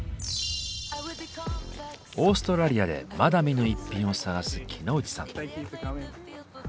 オーストラリアでまだ見ぬ逸品を探す木野内さん。